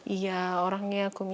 iya orangnya aku misi